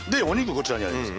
こちらにあります。